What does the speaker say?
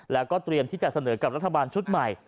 แล้วก็เตรียมที่จะเสนอกับรัฐบาลชุดใหม่